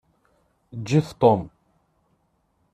Ǧǧet Tom.